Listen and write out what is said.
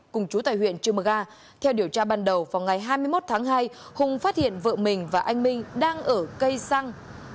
cùng chú tại huyện trư mờ ga theo điều tra ban đầu vào ngày hai mươi một tháng hai hùng phát hiện vợ mình và anh minh đang ở cây xăng